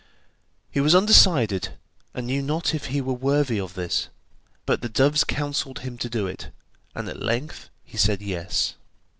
He was undecided, and knew not if he were worthy of this, but the doves counselled him to do it, and at length he said yes.